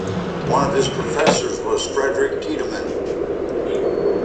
One of his professors was Friedrich Tiedemann.